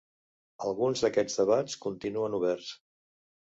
Alguns d'aquests debats continuen oberts.